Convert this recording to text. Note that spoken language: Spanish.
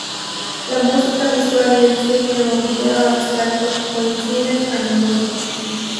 La música visual y el cine o vídeo abstractos coinciden a menudo.